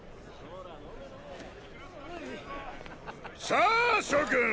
さあ諸君